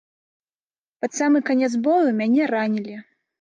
Пад самы канец бою мяне ранілі.